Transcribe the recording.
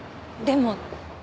でも。